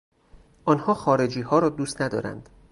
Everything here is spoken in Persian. آنها خارجیها را دوست ندارند.